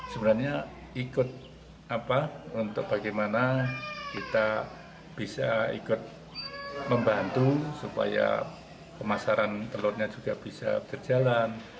sebenarnya ikut apa untuk bagaimana kita bisa ikut membantu supaya pemasaran telurnya juga bisa berjalan